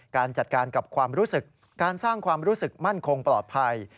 การจัดการกับความรู้สึกการสร้างความรู้สึกมั่นคงปลอดภัย